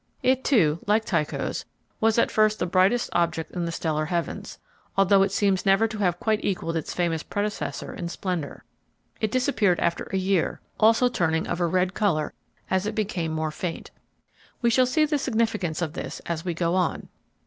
It, too, like Tycho's, was at first the brightest object in the stellar heavens, although it seems never to have quite equaled its famous predecessor in splendor. It disappeared after a year, also turning of a red color as it became more faint. We shall see the significance of this as we go on.